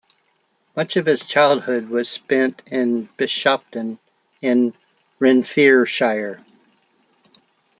Much of his childhood was spent in Bishopton in Renfrewshire.